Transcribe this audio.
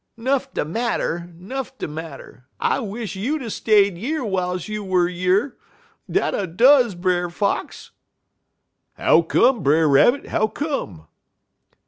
"''Nuff de marter 'nuff de marter. I wish you'd 'a' stayed yer w'iles you wuz yer dat I does, Brer Fox!' "'How come, Brer Rabbit, how come?'